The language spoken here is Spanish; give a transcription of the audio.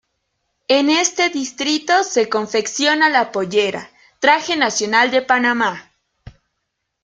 En este distrito se confecciona la pollera, Traje Nacional de Panamá.